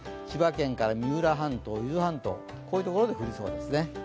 千葉県から三浦半島、伊豆半島、こういうところで降りそうですね。